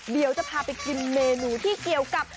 เดี๋ยวจะพาไปกินเมนูที่เกี่ยวกับ